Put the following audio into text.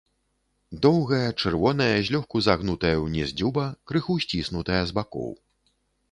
Доўгая, чырвоная, злёгку загнутая ўніз дзюба, крыху сціснутая з бакоў.